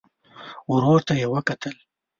ورور ته يې وکتل.